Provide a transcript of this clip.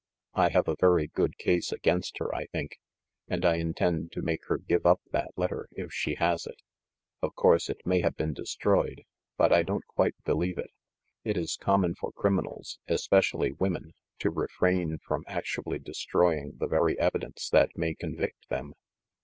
I have a very good case against her, I think, and I intend to make her give up that letter, if she has it. Of course it may have been destroyed, but I don't quite believe it. It is common for criminals, especially women, to refrain from actually destroying the very evidence that may convict them.